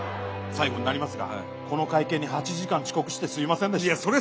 「最後になりますがこの会見に８時間遅刻してすいませんでした」。